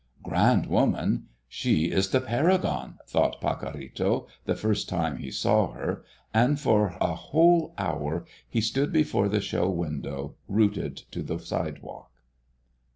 "Grand woman! She is the paragon!" thought Pacorrito the first time he saw her, and for a whole hour he stood before the show window, rooted to the sidewalk.